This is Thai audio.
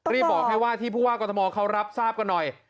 รีบบอกให้ว่าที่ผู้ว่ากรทมเขารับทราบกันหน่อย